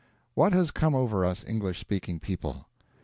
What has come over us English speaking people?